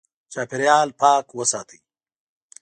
چاپېریال پاک وساتئ.